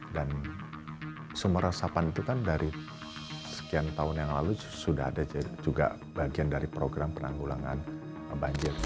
dan sumber resapan itu kan dari sekian tahun yang lalu sudah ada juga bagian dari program penanggulangan banjir